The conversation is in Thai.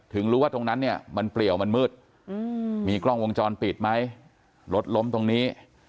รู้ว่าตรงนั้นเนี่ยมันเปลี่ยวมันมืดมีกล้องวงจรปิดไหมรถล้มตรงนี้